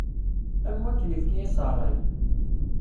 Am wakken yefka-as rray.